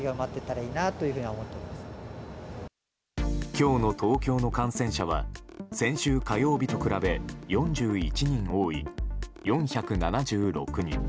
今日の東京の感染者は先週火曜日と比べ４１人多い４７６人。